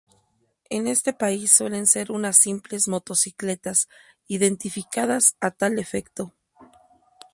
En este país suelen ser unas simples motocicletas identificadas a tal efecto.